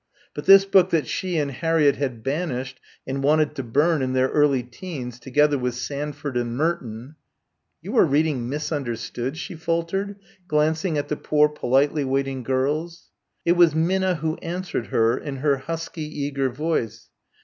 But this book that she and Harriett had banished and wanted to burn in their early teens together with "Sandford and Merton." ... "You are reading 'Misunderstood'?" she faltered, glancing at the four politely waiting girls. It was Minna who answered her in her husky, eager voice.